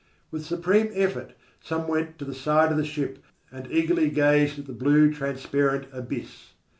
With supreme effort some went to the side of the ship and eagerly gazed at the blue, transparent abyss.